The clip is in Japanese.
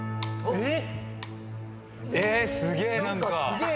えっ